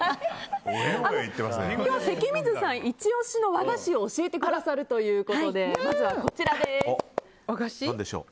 今日は関水さんイチ押しの和菓子を教えてくださるということでまずはこちらです。